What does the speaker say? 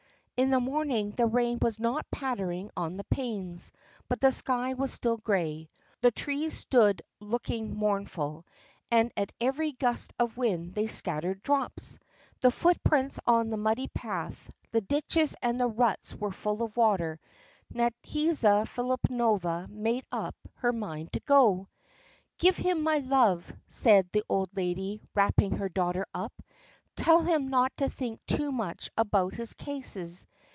In the morning the rain was not pattering on the panes, but the sky was still grey. The trees stood looking mournful, and at every gust of wind they scattered drops. The footprints on the muddy path, the ditches and the ruts were full of water. Nadyezhda Filippovna made up her mind to go. "Give him my love," said the old lady, wrapping her daughter up. "Tell him not to think too much about his cases.